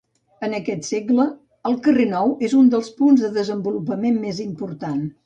En aquest segle, el carrer Nou és un dels punts de desenvolupament més important.